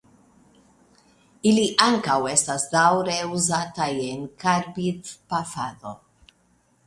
Ili ankaŭ estas daŭre uzataj en karbidpafado.